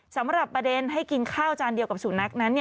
สำหรับประเด็นให้กินข้าวจานเดียวกับสุนัขนั้น